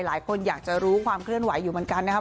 หลายคนอยากจะรู้ความเคลื่อนไหวอยู่เหมือนกันนะครับ